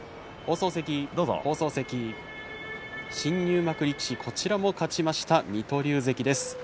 新入幕力士、こちらも勝ちました水戸龍関です。